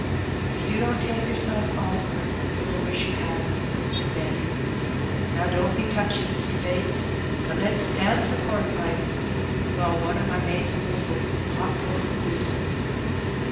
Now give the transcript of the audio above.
'^If you don't take yourself off. Perks, you'll wish you had," said Benny. "Now, don't be touchy, Mr. Bates. But let's dance a compipe, while one o' my mates whistles ^Pop goes the Weasel.'